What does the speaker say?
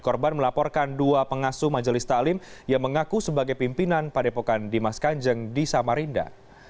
korban melaporkan dua pengasuh majelis talim yang mengaku sebagai pimpinan padepokan dimas kanjeng di samarinda